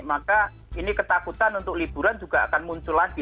maka ini ketakutan untuk liburan juga akan muncul lagi